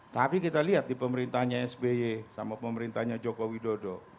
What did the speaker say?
tapi kita lihat di pemerintahnya sby sama pemerintahnya joko widodo